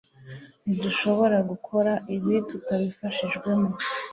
Ntidushobora gukora ibi tutabifashijwemo